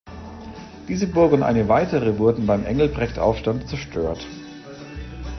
Diese Burg und eine weitere wurden beim Engelbrekt-Aufstand zerstört.